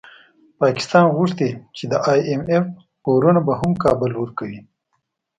پاکستان غوښتي چي د ای اېم اېف پورونه به هم کابل ورکوي